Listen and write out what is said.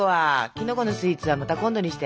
キノコのスイーツはまた今度にして。